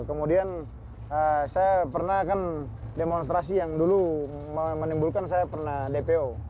kemudian saya pernah kan demonstrasi yang dulu menimbulkan saya pernah dpo